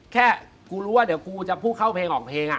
แค่กูรู้ว่าเดี๋ยวกูจะพูดเข้าเพลงออกเพลง